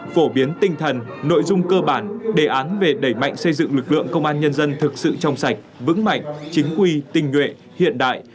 phổ biến tinh thần nội dung cơ bản đề án về đẩy mạnh xây dựng lực lượng công an nhân dân thực sự trong sạch vững mạnh chính quy tinh nguyện hiện đại